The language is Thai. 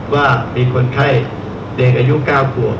ว่ามีคนไข้เด็กอายุ๙ขวบ